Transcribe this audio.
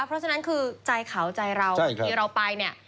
เพราะฉะนั้นคือใจเขาใจเราทีเราไป